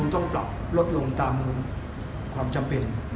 ต้องปรับลดลงตามความจำเป็น